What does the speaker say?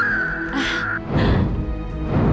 maafkan aku lang